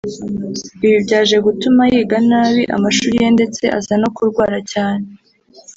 Ibi byaje gutuma yiga nabi amashuri ye ndetse aza no kurwara cyane